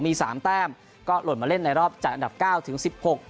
มีสามแต้มก็หล่นมาเล่นในรอบจัดอันดับเก้าถึงสิบหก